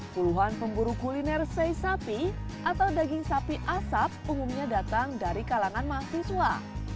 puluhan pemburu kuliner sei sapi atau daging sapi asap umumnya datang dari kalangan mahasiswa